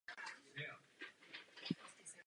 Klub hrál prvních letech svého vzniku ve druhé lize.